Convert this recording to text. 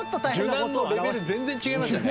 受難のレベル全然違いましたね。